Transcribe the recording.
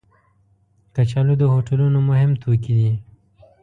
کچالو د هوټلونو مهم توکي دي